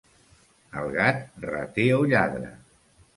El gat, rater o lladre.